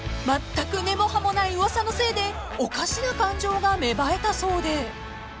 ［まったく根も葉もない噂のせいでおかしな感情が芽生えたそうで］